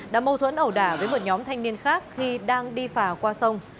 đã mâu thuẫn ẩu đả với một nhóm thanh niên khác khi đang đi phà qua sông